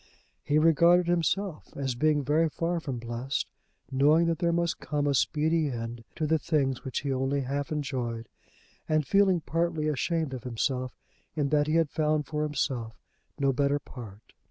He regarded himself as being very far from blessed, knowing that there must come a speedy end to the things which he only half enjoyed, and feeling partly ashamed of himself in that he had found for himself no better part.